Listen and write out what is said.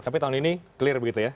tapi tahun ini clear begitu ya